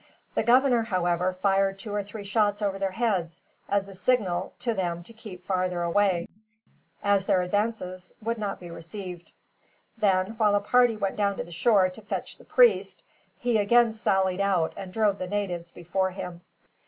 The governor, however, fired two or three shots over their heads, as a signal to them to keep farther away, as their advances would not be received. Then, while a party went down to the shore to fetch the priest, he again sallied out and drove the natives before him.